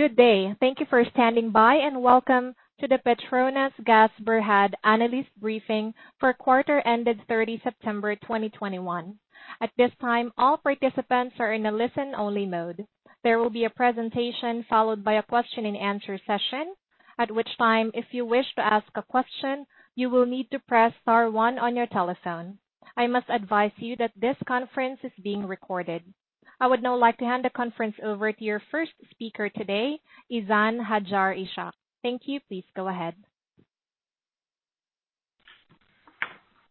Good day. Thank you for standing by, and welcome to the PETRONAS Gas Berhad analyst briefing for quarter ended 30 September 2021. At this time, all participants are in a listen-only mode. There will be a presentation followed by a question and answer session. At which time, if you wish to ask a question, you will need to press star one on your telephone. I must advise you that this conference is being recorded. I would now like to hand the conference over to your first speaker today, Izan Hajar Ishak. Thank you. Please go ahead.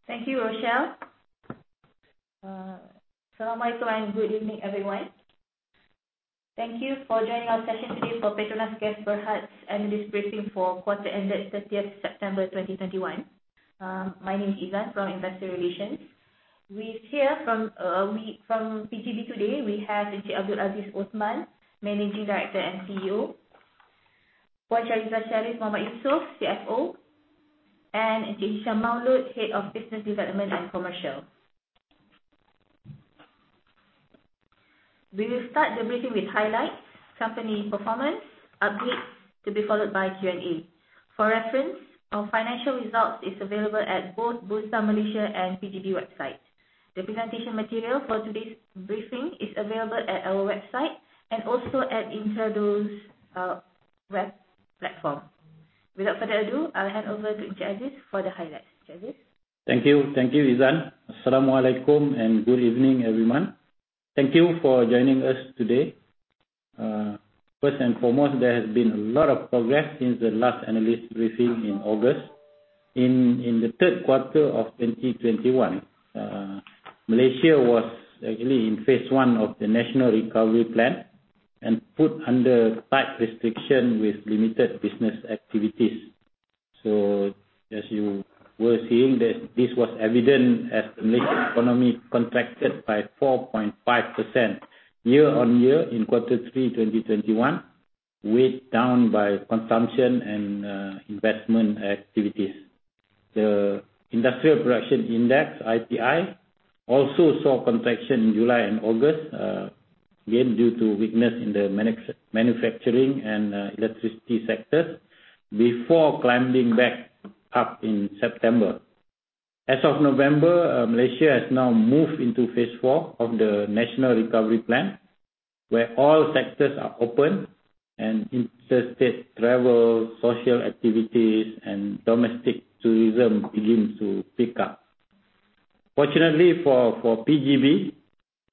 Thank you, Rochelle. Salam alaykum and good evening, everyone. Thank you for joining our session today for PETRONAS Gas Berhad's analyst briefing for quarter ended 30 September 2021. My name is Izan from Investor Relations. From PGB today we have Encik Abdul Aziz Othman, Managing Director and CEO. Puan Shariza Sharis Mohd Yusof, CFO. And Encik Ishak Maulud, Head of Business Development and Commercial. We will start the briefing with highlights, company performance, updates, to be followed by Q&A. For reference, our financial results is available at both Bursa Malaysia and PGB website. The presentation material for today's briefing is available at our website and also at Intertrust web platform. Without further ado, I'll hand over to Encik Aziz for the highlights. Encik Aziz? Thank you. Thank you, Izan. As-salamu alaykum, and good evening, everyone. Thank you for joining us today. First and foremost, there has been a lot of progress since the last analyst briefing in August. In the third quarter of 2021, Malaysia was actually in phase one of the National Recovery Plan and put under tight restriction with limited business activities. As you were seeing that this was evident as the Malaysian economy contracted by 4.5% year-on-year in quarter three 2021, weighed down by consumption and investment activities. The Industrial Production Index, IPI, also saw contraction in July and August, again, due to weakness in the manufacturing and electricity sectors before climbing back up in September. As of November, Malaysia has now moved into phase four of the National Recovery Plan, where all sectors are open and interstate travel, social activities, and domestic tourism begins to pick up. Fortunately for PGB,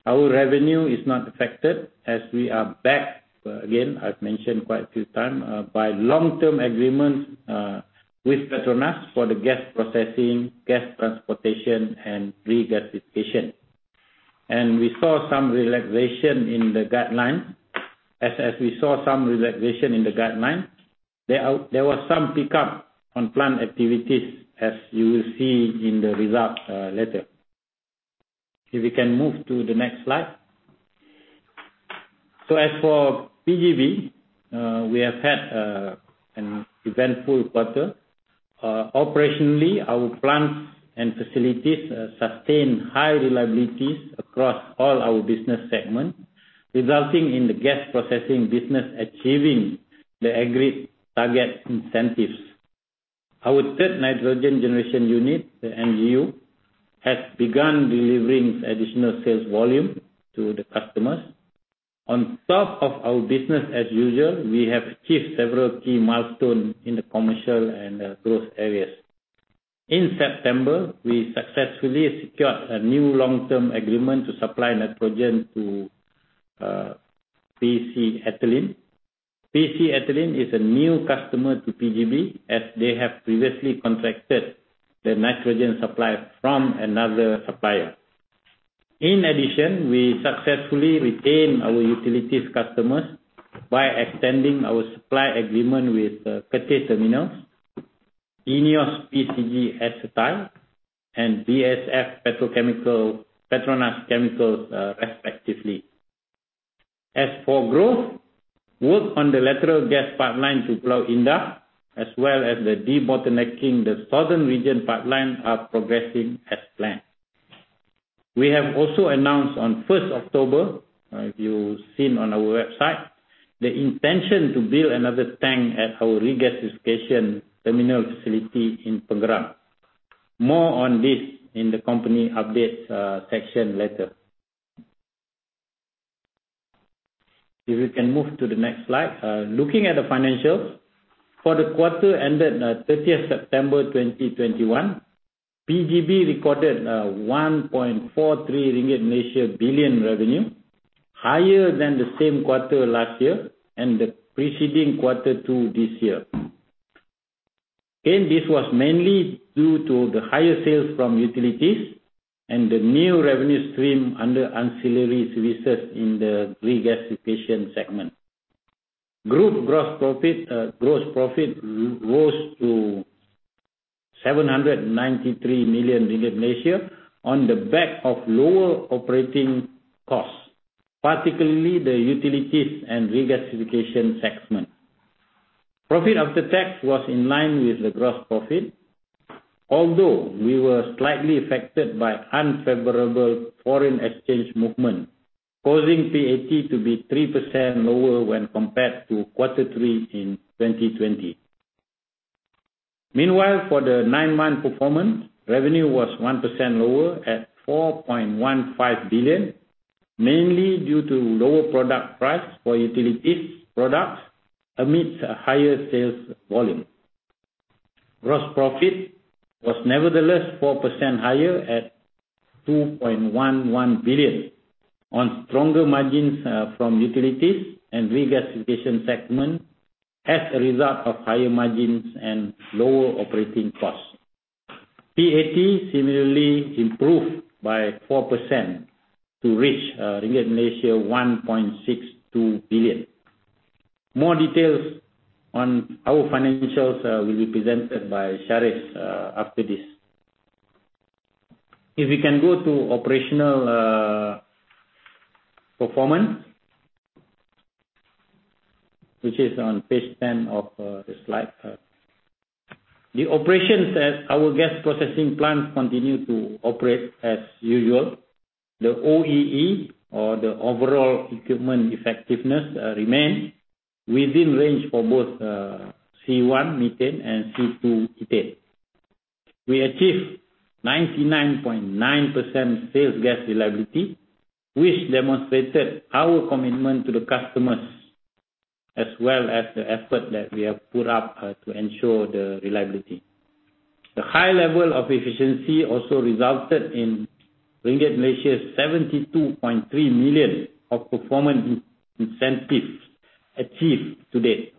our revenue is not affected as we are backed, again, I've mentioned quite a few times, by long-term agreements, with PETRONAS for the gas processing, gas transportation, and regasification. We saw some relaxation in the guidelines. As we saw some relaxation in the guidelines, there was some pickup on plant activities, as you will see in the results, later. If we can move to the next slide. As for PGB, we have had an eventful quarter. Operationally, our plants and facilities sustained high reliabilities across all our business segments, resulting in the gas processing business achieving the agreed target incentives. Our third nitrogen generation unit, the NGU, has begun delivering additional sales volume to the customers. On top of our business as usual, we have achieved several key milestones in the commercial and growth areas. In September, we successfully secured a new long-term agreement to supply nitrogen to PETRONAS Chemicals Ethylene. PETRONAS Chemicals Ethylene is a new customer to PGB, as they have previously contracted their nitrogen supply from another supplier. In addition, we successfully retained our utilities customers by extending our supply agreement with Pengerang Terminals, INEOS Acetyls, and BASF PETRONAS Chemicals, respectively. As for growth, work on the lateral gas pipeline to Pulau Indah, as well as the debottlenecking the southern region pipeline are progressing as planned. We have also announced on 1 October, if you've seen on our website, the intention to build another tank at our regasification terminal facility in Pengerang. More on this in the company update, section later. If we can move to the next slide. Looking at the financials. For the quarter ended 30 September 2021, PGB recorded 1.43 billion ringgit revenue, higher than the same quarter last year and the preceding quarter to this year. Again, this was mainly due to the higher sales from utilities and the new revenue stream under ancillary services in the regasification segment. Group gross profit rose to 793 million ringgit on the back of lower operating costs, particularly the utilities and regasification segment. Profit after tax was in line with the gross profit. Although we were slightly affected by unfavorable foreign exchange movement, causing PAT to be 3% lower when compared to quarter three in 2020. Meanwhile, for the nine-month performance, revenue was 1% lower at 4.15 billion, mainly due to lower product price for utilities products amidst a higher sales volume. Gross profit was nevertheless 4% higher at 2.11 billion on stronger margins from utilities and regasification segment as a result of higher margins and lower operating costs. PAT similarly improved by 4% to reach 1.62 billion ringgit. More details on our financials will be presented by Shariz after this. If we can go to operational performance, which is on page 10 of the slide pack. The operations at our gas processing plants continue to operate as usual. The OEE or the overall equipment effectiveness remain within range for both C1 methane and C2 ethane. We achieved 99.9% sales gas reliability, which demonstrated our commitment to the customers, as well as the effort that we have put up to ensure the reliability. The high level of efficiency also resulted in 72.3 million ringgit of performance incentives achieved to date.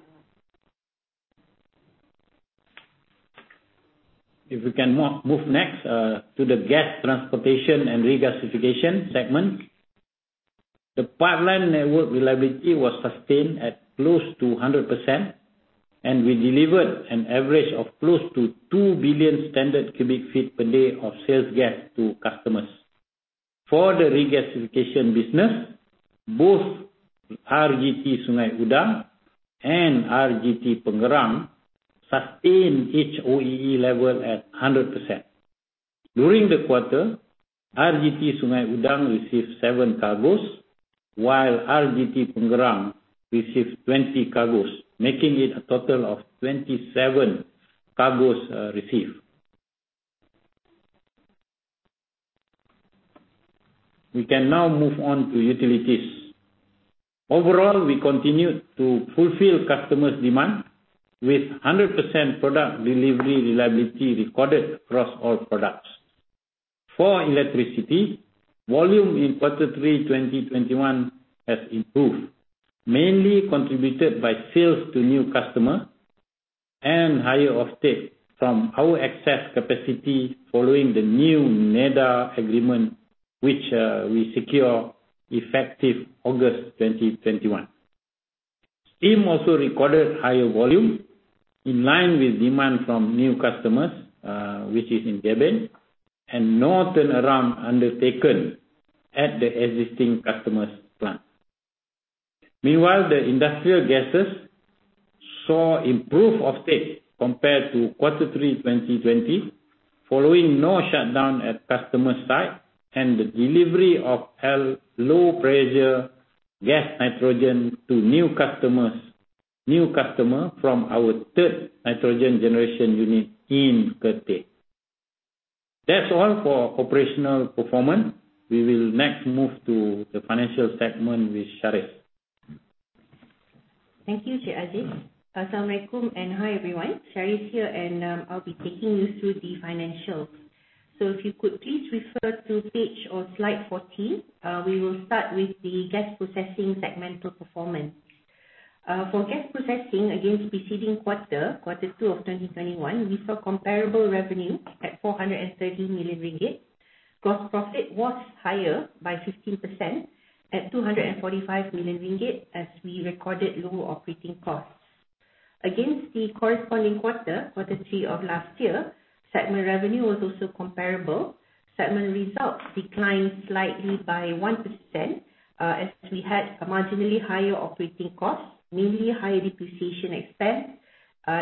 If we can move next to the gas transportation and regasification segment. The pipeline network reliability was sustained at close to 100%, and we delivered an average of close to 2 billion standard cubic feet per day of sales gas to customers. For the regasification business, both RGT Sungai Udang and RGT Pengerang sustained its OEE level at 100%. During the quarter, RGT Sungai Udang received 7 cargos, while RGT Pengerang received 20 cargos, making it a total of 27 cargos received. We can now move on to utilities. Overall, we continued to fulfill customers' demand with 100% product delivery reliability recorded across all products. For electricity, volume in Q3 2021 has improved, mainly contributed by sales to new customer and higher offtake from our excess capacity following the new NEDA agreement, which we secure effective August 2021. Steam also recorded higher volume in line with demand from new customers, which is in Gebeng, and no turnaround undertaken at the existing customers' plant. Meanwhile, the industrial gases saw improved offtake compared to quarter 3 2020 following no shutdown at customer site and the delivery of low-pressure gas nitrogen to new customers from our third nitrogen generation unit in Kerteh. That's all for operational performance. We will next move to the financial segment with Shariz. Thank you, Encik Aziz. Assalam alaikum and hi everyone. Shariz here, and I'll be taking you through the financials. If you could please refer to page or slide 14. We will start with the gas processing segmental performance. For gas processing against preceding quarter two of 2021, we saw comparable revenue at 430 million ringgit. Gross profit was higher by 15% at 245 million ringgit, as we recorded low operating costs. Against the corresponding quarter three of last year, segment revenue was also comparable. Segment results declined slightly by 1%, as we had a marginally higher operating cost, mainly high depreciation expense,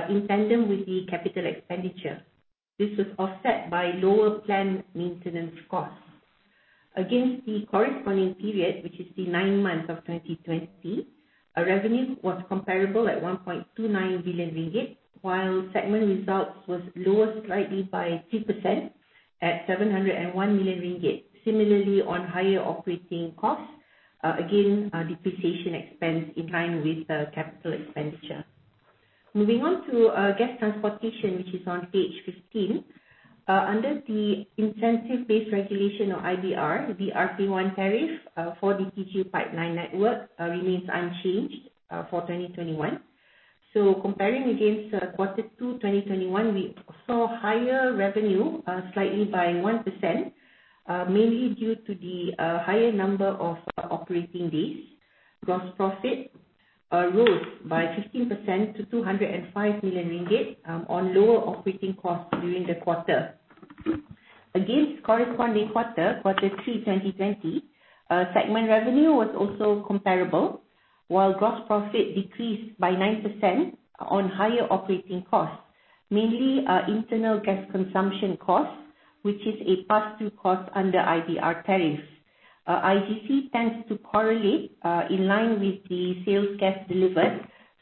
in tandem with the capital expenditure. This was offset by lower planned maintenance costs. Against the corresponding period, which is the nine months of 2020, our revenue was comparable at 1.29 billion ringgit, while segment results was lower slightly by 2% at 701 million ringgit. Similarly, on higher operating costs, again, our depreciation expense in line with the capital expenditure. Moving on to our gas transportation, which is on page 15. Under the Incentive-Based Regulation or IBR, the RP1 tariff for the PGU pipeline network remains unchanged for 2021. Comparing against quarter 2 2021, we saw higher revenue slightly by 1%, mainly due to the higher number of operating days. Gross profit rose by 15% to 205 million ringgit on lower operating costs during the quarter. Against corresponding quarter, Q3 2020, segment revenue was also comparable, while gross profit decreased by 9% on higher operating costs, mainly internal gas consumption costs, which is a pass-through cost under IBR tariff. IDC tends to correlate in line with the sales gas delivered.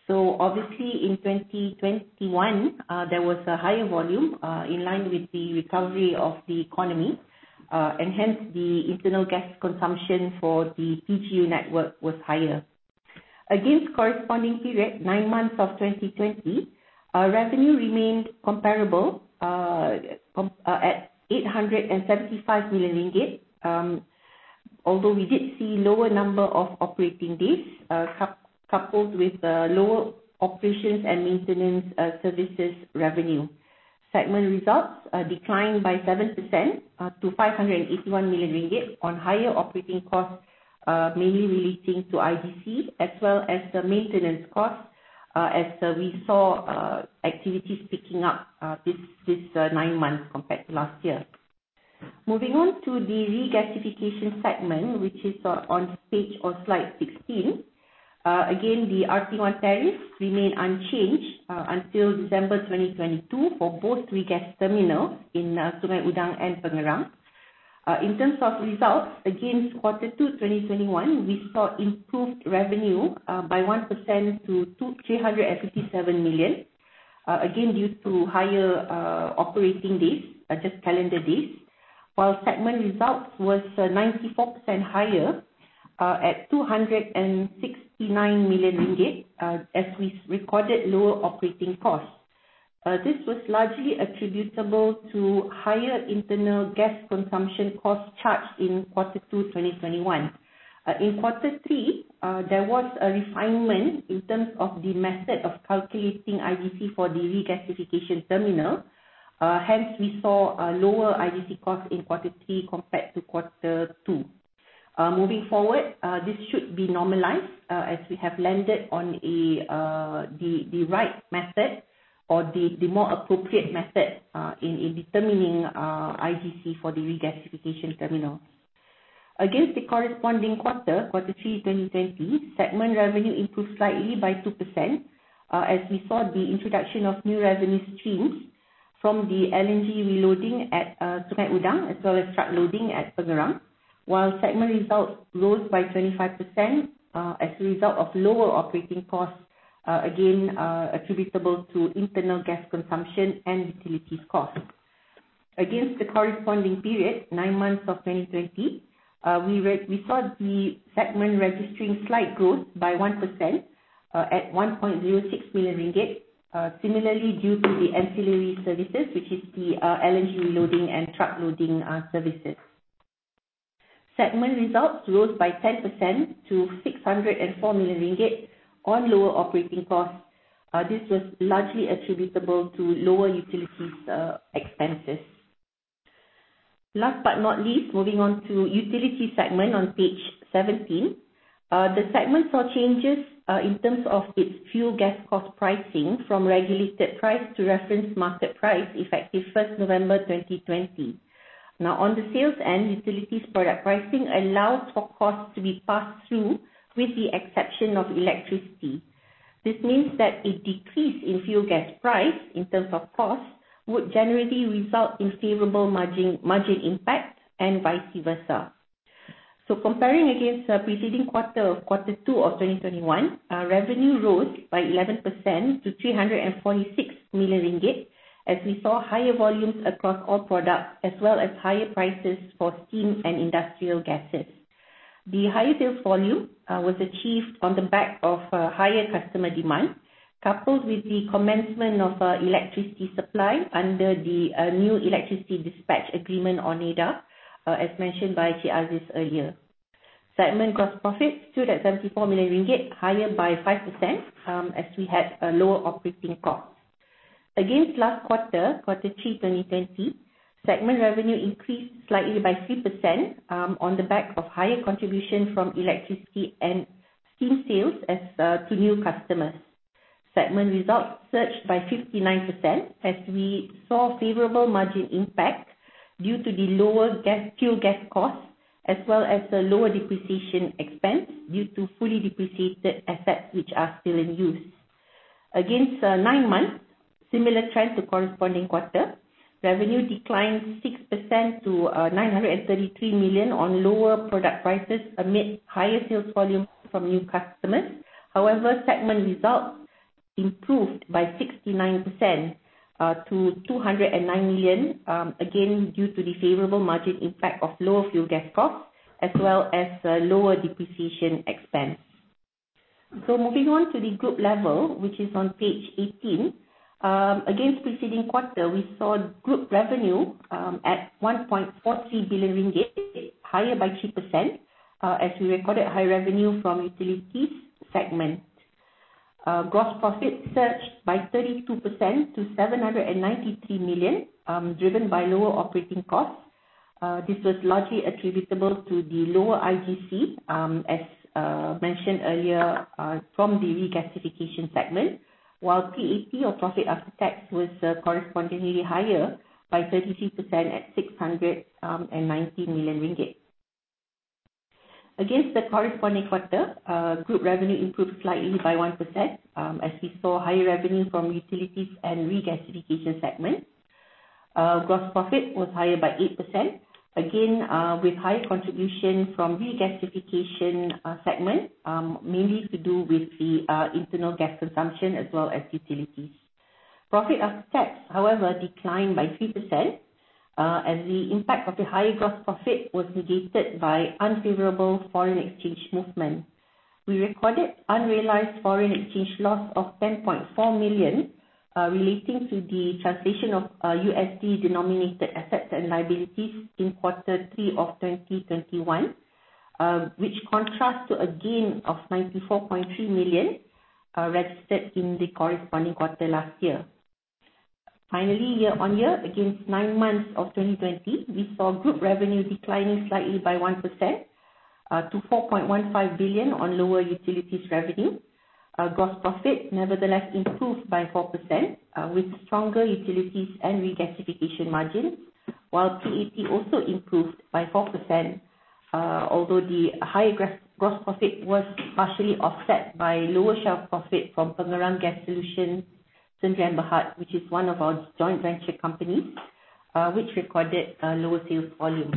Obviously in 2021, there was a higher volume in line with the recovery of the economy, and hence the internal gas consumption for the PGU network was higher. Against corresponding period, nine months of 2020, revenue remained comparable at 875 million ringgit. Although we did see lower number of operating days coupled with lower operations and maintenance services revenue. Segment results declined by 7% to 581 million ringgit on higher operating costs, mainly relating to IDC as well as the maintenance costs, as we saw activities picking up this nine months compared to last year. Moving on to the regasification segment, which is on page or slide 16. Again, the RT1 tariffs remain unchanged until December 2022 for both regas terminals in Sungai Udang and Pengerang. In terms of results against quarter two 2021, we saw improved revenue by 1% to 357 million, again, due to higher operating days, just calendar days, while segment results was 94% higher at 269 million ringgit, as we recorded lower operating costs. This was largely attributable to higher Internal Gas Consumption cost charged in Q2 2021. In Q3, there was a refinement in terms of the method of calculating IGC for the regasification terminal. Hence we saw a lower IGC cost in Q3 compared to Q2. Moving forward, this should be normalized as we have landed on the right method or the more appropriate method in determining IGC for the regasification terminal. Against the corresponding quarter three 2020, segment revenue improved slightly by 2%, as we saw the introduction of new revenue streams from the LNG reloading at Sungai Udang as well as truck loading at Pengerang, while segment results rose by 25%, as a result of lower operating costs, again, attributable to internal gas consumption and utilities costs. Against the corresponding period, nine months of 2020, we saw the segment registering slight growth by 1%, at 1.06 million ringgit, similarly due to the ancillary services, which is the LNG reloading and truck loading services. Segment results rose by 10% to 604 million ringgit on lower operating costs. This was largely attributable to lower utilities expenses. Last but not least, moving on to utility segment on page 17. The segment saw changes in terms of its fuel gas cost pricing from regulated price to reference market price effective 1 November 2020. Now, on the sales and utilities product pricing allows for costs to be passed through with the exception of electricity. This means that a decrease in fuel gas price in terms of cost would generally result in favorable margin impact and vice versa. Comparing against the preceding quarter of quarter two of 2021, revenue rose by 11% to 346 million ringgit, as we saw higher volumes across all products as well as higher prices for steam and industrial gases. The higher sales volume was achieved on the back of higher customer demand, coupled with the commencement of electricity supply under the new electricity dispatch agreement on EDA, as mentioned by Abdul Aziz earlier. Segment gross profit stood at 74 million ringgit, higher by 5%, as we had lower operating costs. Against last quarter three 2020, segment revenue increased slightly by 3%, on the back of higher contribution from electricity and steam sales as to new customers. Segment results surged by 59% as we saw favorable margin impact due to the lower gas, fuel gas costs, as well as the lower depreciation expense due to fully depreciated assets which are still in use. Against nine months, similar trend to corresponding quarter, revenue declined 6% to 933 million on lower product prices amid higher sales volume from new customers. However, segment results improved by 69% to 209 million, again, due to the favorable margin impact of lower fuel gas costs, as well as lower depreciation expense. Moving on to the group level, which is on page 18. Against preceding quarter, we saw group revenue at 1.43 billion ringgit, higher by 2% as we recorded higher revenue from utilities segment. Gross profit surged by 32% to 793 million, driven by lower operating costs. This was largely attributable to the lower IGC, as mentioned earlier, from the regasification segment, while PAT or profit after tax was correspondingly higher by 32% at 690 million ringgit. Against the corresponding quarter, group revenue improved slightly by 1%, as we saw higher revenue from utilities and regasification segments. Gross profit was higher by 8%, again, with high contribution from regasification segment, mainly to do with the internal gas consumption as well as utilities. Profit after tax, however, declined by 3%, as the impact of the higher gross profit was negated by unfavorable foreign exchange movement. We recorded unrealized foreign exchange loss of 10.4 million relating to the translation of USD-denominated assets and liabilities in quarter 3 of 2021, which contrasts to a gain of 94.3 million registered in the corresponding quarter last year. Finally, year-on-year against nine months of 2020, we saw group revenue declining slightly by 1% to 4.15 billion on lower utilities revenue. Gross profit nevertheless improved by 4% with stronger utilities and regasification margin, while PAT also improved by 4%, although the higher gross profit was partially offset by lower share profit from Pengerang Gas Solutions Sdn. Bhd., which is one of our joint venture companies, which recorded lower sales volume.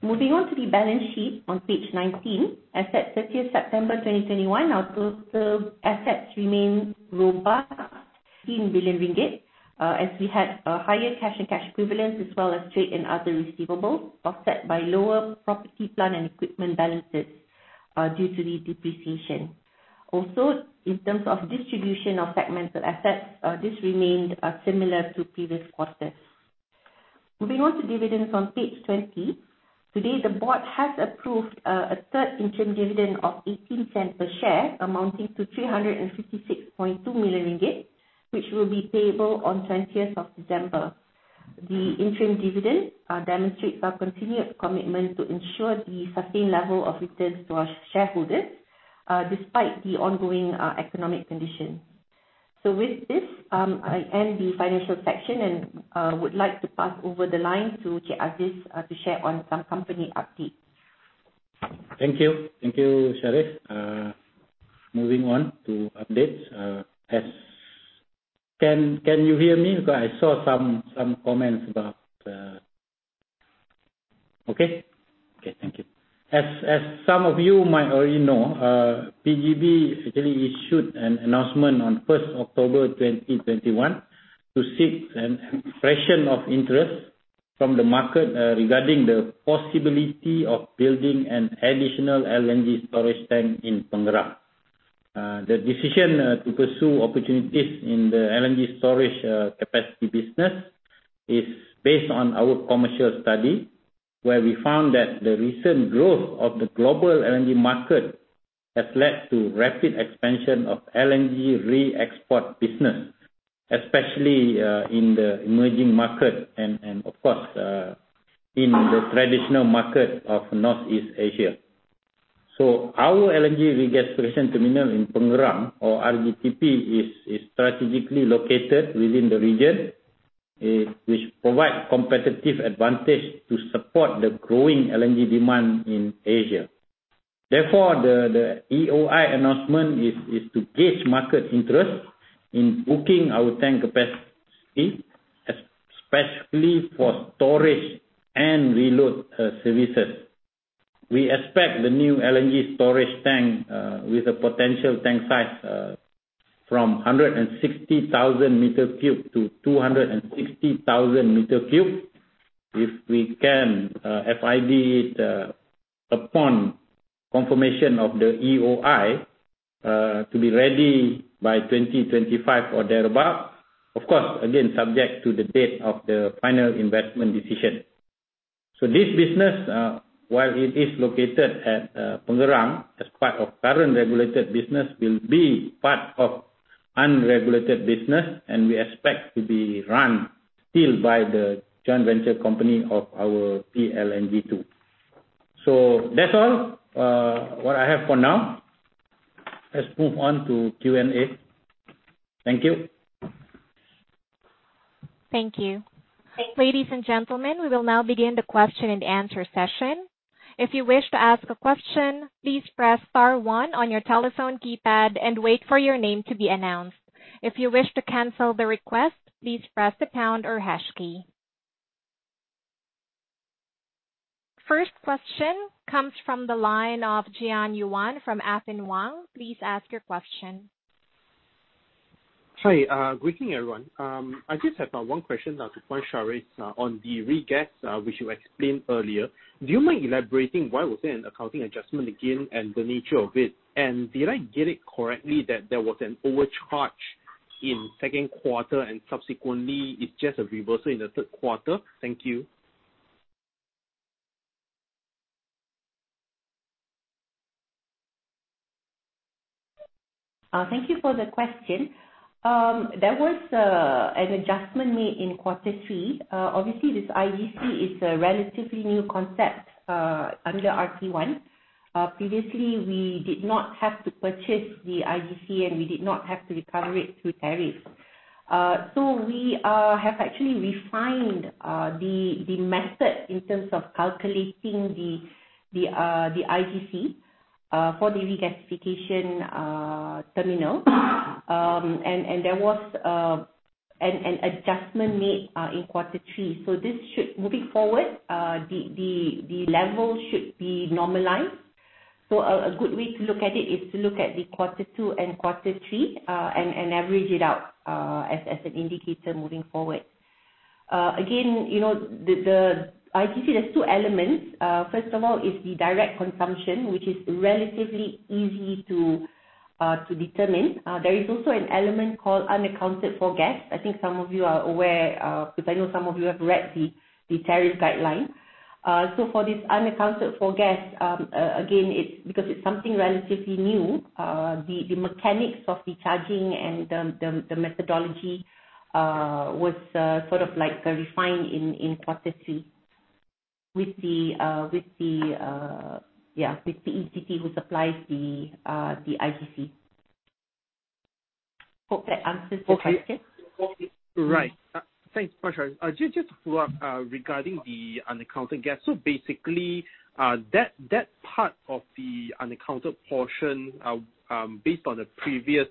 Moving on to the balance sheet on page 19, as at 30 September 2021, our total assets remain robust, 18 billion ringgit, as we had a higher cash and cash equivalents, as well as trade and other receivables offset by lower property, plant, and equipment balances, due to the depreciation. In terms of distribution of segmental assets, this remained similar to previous quarters. Moving on to dividends on page 20. Today, the board has approved a third interim dividend of 0.18 per share, amounting to 356.2 million ringgit, which will be payable on 20 December. The interim dividend demonstrates our continued commitment to ensure the sustained level of returns to our shareholders, despite the ongoing economic condition. With this, I end the financial section and would like to pass over the line to Aziz to share on some company updates. Thank you. Thank you, Sharif. Moving on to updates. Can you hear me? Because I saw some comments about. Okay. Okay, thank you. Some of you might already know, PGB actually issued an announcement on October 1, 2021 to seek an expression of interest from the market regarding the possibility of building an additional LNG storage tank in Pengerang. The decision to pursue opportunities in the LNG storage capacity business is based on our commercial study, where we found that the recent growth of the global LNG market has led to rapid expansion of LNG re-export business, especially in the emerging market and, of course, in the traditional market of Northeast Asia. Our LNG regasification terminal in Pengerang, or RGTP, is strategically located within the region, which provide competitive advantage to support the growing LNG demand in Asia. Therefore, the EOI announcement is to gauge market interest in booking our tank capacity, especially for storage and reload services. We expect the new LNG storage tank with a potential tank size from 160,000 cubic meters to 260,000 cubic meters. If we can FID it upon confirmation of the EOI to be ready by 2025 or thereabout. Of course, again, subject to the date of the final investment decision. This business, while it is located at Pengerang, as part of current regulated business, will be part of unregulated business. We expect to be run still by the joint venture company of our PFLNG 2. That's all, what I have for now. Let's move on to Q&A. Thank you. Thank you. Ladies and gentlemen, we will now begin the question and answer session. If you wish to ask a question, please press star one on your telephone keypad and wait for your name to be announced. If you wish to cancel the request, please press the pound or hash key. First question comes from the line of Jian Yuan Tan from Affin Hwang Investment Bank. Please ask your question. Hi. Greeting everyone. I just have one question now to point, Sharif, on the regas, which you explained earlier. Do you mind elaborating why was there an accounting adjustment again and the nature of it? And did I get it correctly that there was an overcharge in second quarter and subsequently it's just a reversal in the third quarter? Thank you. Thank you for the question. There was an adjustment made in Q3. Obviously, this ITC is a relatively new concept under RP1. Previously, we did not have to purchase the ITC, and we did not have to recover it through tariffs. We have actually refined the ITC for the regasification terminal. There was an adjustment made in quarter three. This should. Moving forward, the level should be normalized. A good way to look at it is to look at quarter two and quarter three and average it out as an indicator moving forward. Again, you know, the ITC, there's two elements. First of all is the direct consumption, which is relatively easy to determine. There is also an element called unaccounted for gas. I think some of you are aware, because I know some of you have read the tariff guideline. For this unaccounted for gas, again, it's because it's something relatively new, the mechanics of the charging and the methodology was sort of like refined in quarter three with the ECT who supplies the ITC. Hope that answers the question. Okay. Right. Thanks, Sharice. Just to follow up regarding the unaccounted gas. Basically, that part of the unaccounted portion, based on the previous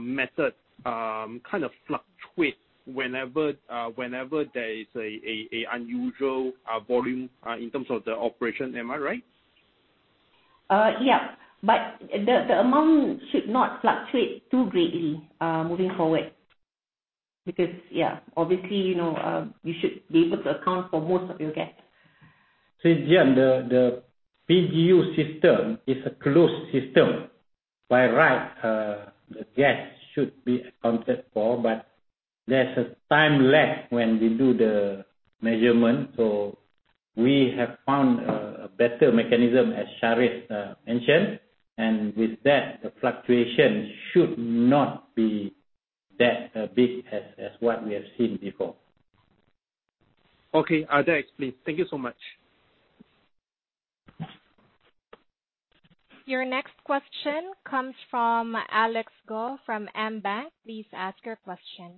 method, kind of fluctuates whenever there is an unusual volume in terms of the operation. Am I right? The amount should not fluctuate too greatly moving forward. Because, yeah, obviously, you know, you should be able to account for most of your gas. Jian, the PGU system is a closed system. By right, the gas should be accounted for, but there's a time lag when we do the measurement. We have found a better mechanism, as Sharice mentioned. With that, the fluctuation should not be that big as what we have seen before. Okay. That explains. Thank you so much. Your next question comes from Alex Goh from AmBank. Please ask your question.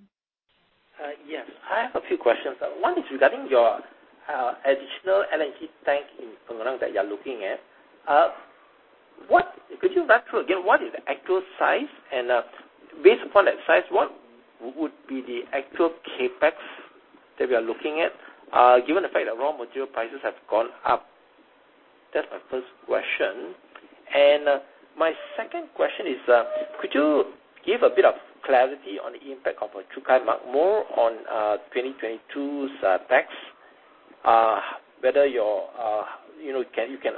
Yes. I have a few questions. One is regarding your additional LNG tank in Pengerang that you're looking at. Could you run through again, what is the actual size? Based upon that size, what would be the actual CapEx that we are looking at, given the fact that raw material prices have gone up? That's my first question. My second question is, could you give a bit of clarity on the impact of a Cukai Makmur on 2022's tax, whether you know, you can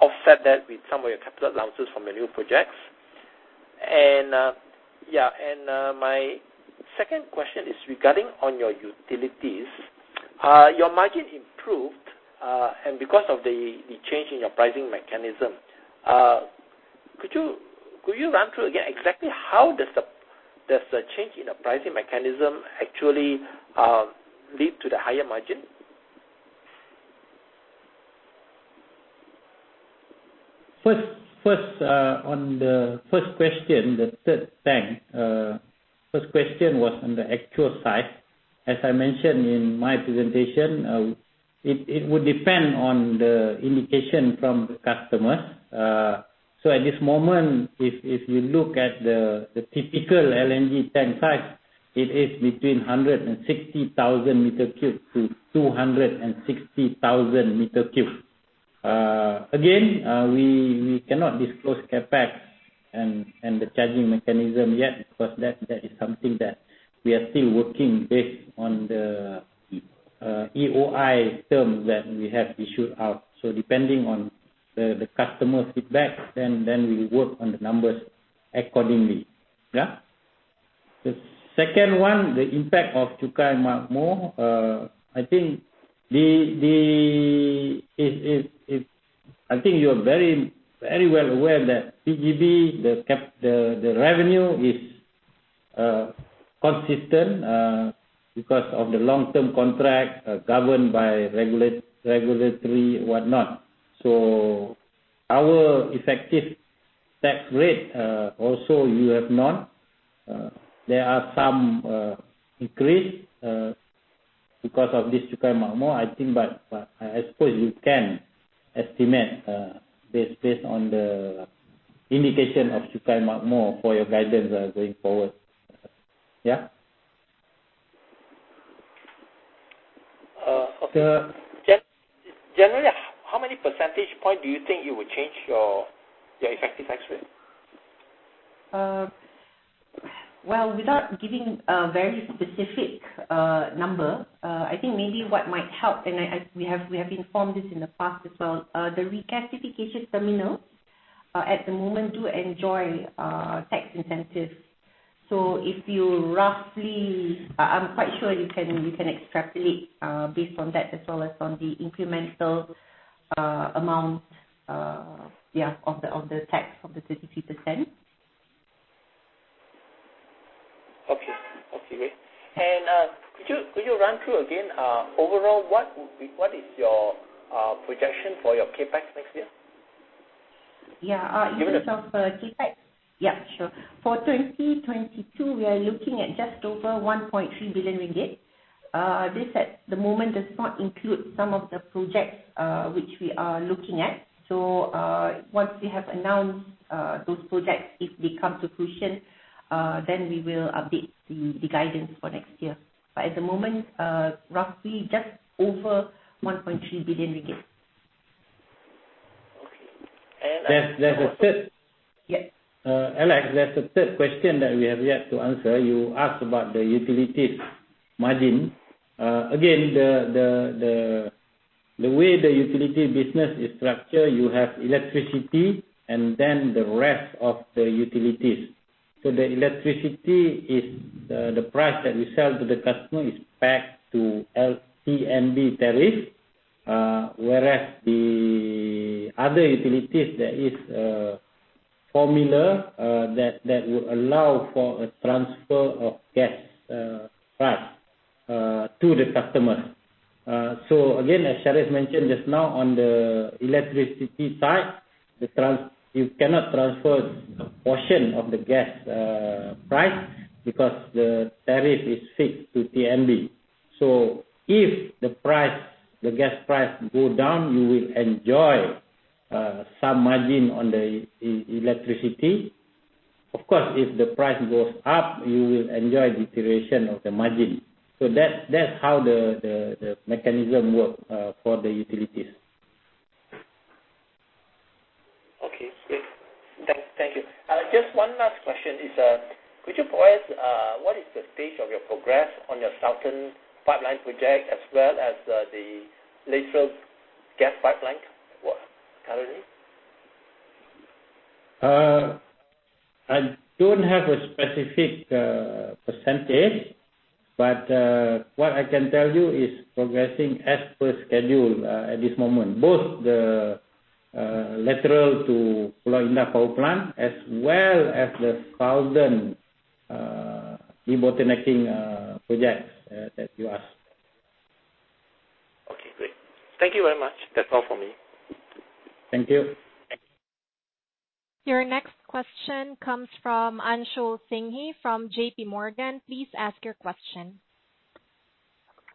offset that with some of your capital allowances from the new projects? Yeah. My second question is regarding on your utilities. Your margin improved, and because of the change in your pricing mechanism. Could you run through again exactly how does the change in the pricing mechanism actually lead to the higher margin? On the first question, the third tank, first question was on the actual size. As I mentioned in my presentation, it would depend on the indication from the customer. So at this moment, if you look at the typical LNG tank size, it is between 160,000-260,000 cubic meters. Again, we cannot disclose CapEx and the charging mechanism yet because that is something that we are still working based on the EOI terms that we have issued out. So depending on the customer's feedback, then we work on the numbers accordingly. Yeah. The second one, the impact of Cukai Makmur, I think you're very well aware that PGB, the cap... The revenue is consistent because of the long-term contract governed by regulatory whatnot. Our effective tax rate also you know there are some increase because of this Cukai Makmur, I think. I suppose you can estimate based on the indication of Cukai Makmur for your guidance going forward. Yeah. Okay. The- Generally, how many percentage points do you think it would change your effective tax rate? Well, without giving a very specific number, I think maybe what might help. We have informed this in the past as well. The regasification terminal at the moment do enjoy tax incentives. I'm quite sure you can extrapolate based on that as well as on the incremental amount yeah of the tax of the 33%. Okay. Could you run through again what is your projection for your CapEx next year? Yeah, in terms of, CapEx. Yeah, sure. For 2022, we are looking at just over 1.3 billion ringgit. This at the moment does not include some of the projects, which we are looking at. So, once we have announced, those projects, if they come to fruition, then we will update the guidance for next year. At the moment, roughly just over 1.3 billion ringgit. Okay. There's a third. Yeah. Alex, there's a third question that we have yet to answer. You asked about the utilities margin. Again, the way the utility business is structured, you have electricity and then the rest of the utilities. The electricity is the price that we sell to the customer is pegged to the TNB tariff, whereas the other utilities, there is a formula that will allow for a transfer of gas price to the customer. Again, as Sharif mentioned just now on the electricity side, you cannot transfer a portion of the gas price because the tariff is fixed to TNB. If the gas price go down, you will enjoy some margin on the electricity. Of course, if the price goes up, you will enjoy deterioration of the margin. That's how the mechanism work for the utilities. Okay, great. Thank you. Just one last question: could you advise what is the stage of your progress on your southern pipeline project as well as the lateral gas pipeline work currently? I don't have a specific percentage, but what I can tell you it's progressing as per schedule at this moment. Both the lateral to Pulau Indah power plant as well as the southern debottlenecking projects that you asked. Okay, great. Thank you very much. That's all for me. Thank you. Thank you. Your next question comes from Anshul Singhvi from J.P. Morgan. Please ask your question.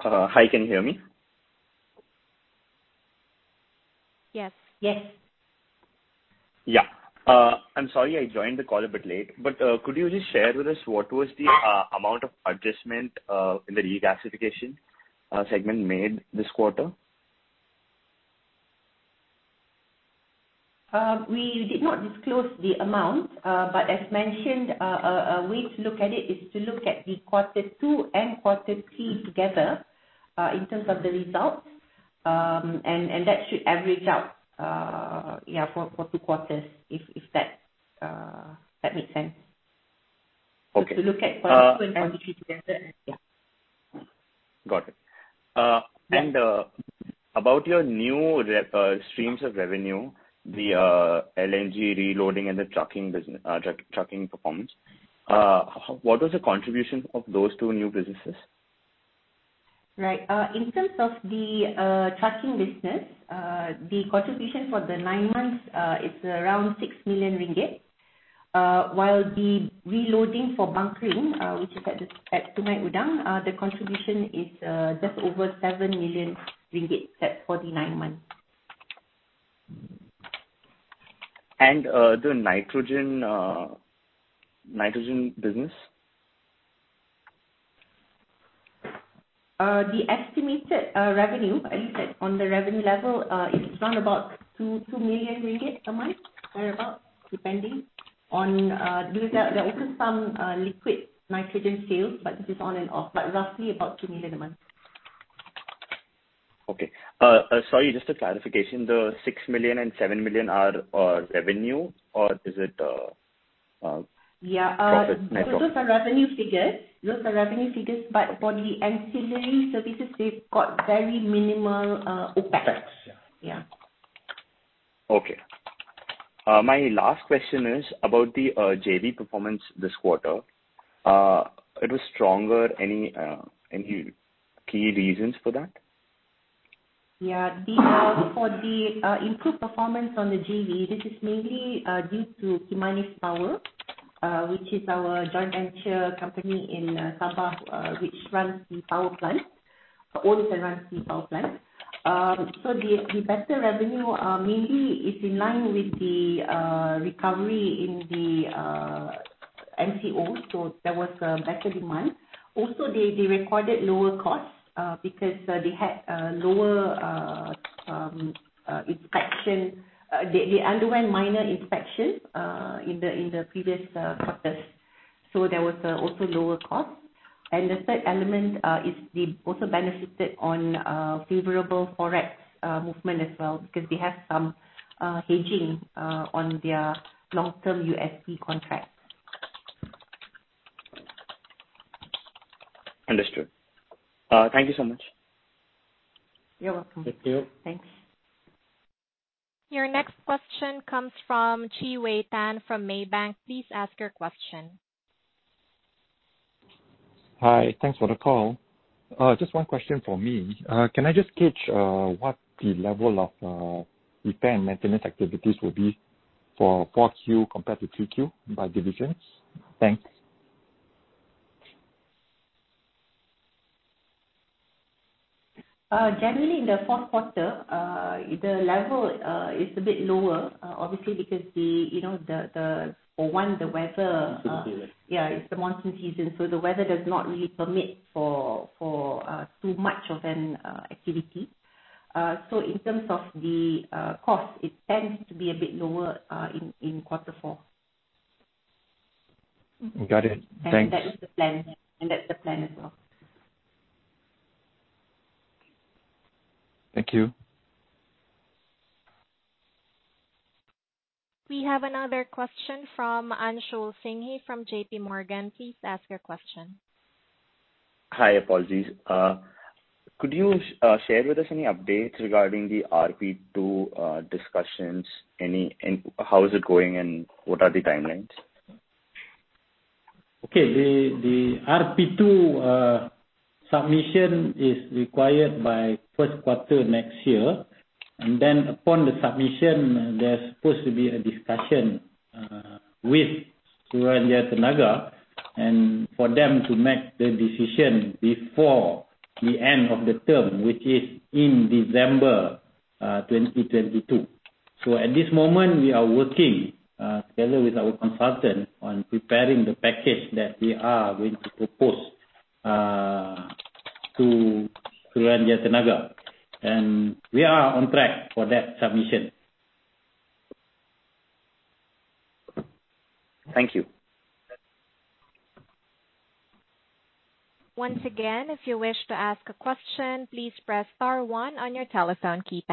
Hi, can you hear me? Yes. Yes. Yeah. I'm sorry I joined the call a bit late, but could you just share with us what was the amount of adjustment in the regasification segment made this quarter? We did not disclose the amount, but as mentioned, a way to look at it is to look at quarter two and quarter three together, in terms of the results. That should average out for two quarters, if that makes sense. Okay. To look at quarter two and quarter three together. Yeah. Got it. Yeah. About your new streams of revenue, the LNG reloading and the trucking performance, what was the contribution of those two new businesses? Right. In terms of the trucking business, the contribution for the nine months is around 6 million ringgit. While the reloading for bunkering, which is at Sungai Udang, the contribution is just over 7 million ringgit for the nine months. The nitrogen business? The estimated revenue, at least at on the revenue level, it's around about 2 million ringgit a month, thereabout, depending on. There are also some liquid nitrogen sales, but this is on and off. Roughly about 2 million a month. Sorry, just a clarification. The 6 million and 7 million are revenue or is it profit net profit? Yeah. Those are revenue figures, but for the ancillary services, they've got very minimal OpEx. OpEx, yeah. Yeah. Okay. My last question is about the JV performance this quarter. It was stronger. Any key reasons for that? Yeah. The improved performance on the JV, this is mainly due to Kimanis Power, which is our joint venture company in Sabah, which runs the power plant. Owns and runs the power plant. The better revenue mainly is in line with the recovery in the MCO. There was a better demand. Also, they recorded lower costs because they had lower inspection. They underwent minor inspection in the previous quarters. There was also lower costs. The third element is they also benefited on favorable Forex movement as well because they have some hedging on their long-term USD contracts. Understood. Thank you so much. You're welcome. Thank you. Thanks. Your next question comes from Tan Chee Wei from Maybank. Please ask your question. Hi. Thanks for the call. Just one question from me. Can I just gauge what the level of repair and maintenance activities will be for 4Q compared to 3Q by divisions? Thanks. Generally, in the fourth quarter, the level is a bit lower, obviously because, you know, for one, the weather. Monsoon season. Yeah. It's the monsoon season, so the weather does not really permit for too much of an activity. So in terms of the cost, it tends to be a bit lower in quarter four. Got it. Thanks. That is the plan. That's the plan as well. Thank you. We have another question from Anshul Singhvi from J.P. Morgan. Please ask your question. Hi. Apologies. Could you share with us any updates regarding the RP2 discussions? How is it going, and what are the timelines? Okay. The RP2 submission is required by first quarter next year. Then upon the submission, there's supposed to be a discussion with Suruhanjaya Tenaga and for them to make the decision before the end of the term, which is in December 2022. At this moment, we are working together with our consultant on preparing the package that we are going to propose to Suruhanjaya Tenaga. We are on track for that submission. Thank you. Once again, if you wish to ask a question, please press star one on your telephone keypad.